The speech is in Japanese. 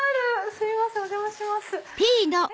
すいませんお邪魔します。